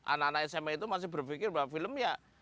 anak anak sma itu masih berpikir bahwa film ya